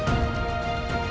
kepala masyarakat di indonesia